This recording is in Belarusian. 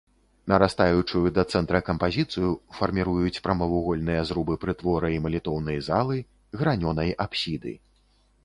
Нарастаючую да цэнтра кампазіцыю фарміруюць прамавугольныя зрубы прытвора і малітоўнай залы, гранёнай апсіды.